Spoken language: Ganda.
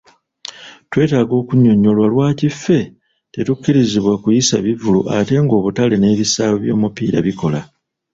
Twetaaga okunnyonyolwa lwaki ffe tetukkirizibwa kuyisa bivvulu ate ng'obutale n'ebisaawe by'omupiira bikola.